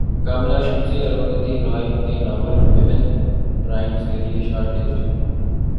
کاملہ شمسی اروندھتی رائے کے novel women prize کیلئے short list